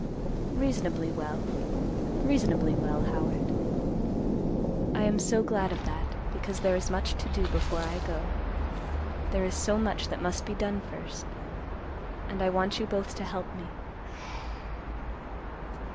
"Reasonably well, reasonably well, Howard." "I am so glad of that because there is much to do before I go. There is so much that must be done first, and I want you both to help me."